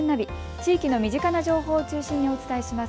地域の身近な情報を中心にお伝えします。